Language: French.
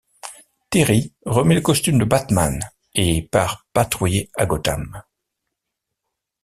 Terry remet le costume de Batman, et part patrouiller à Gotham.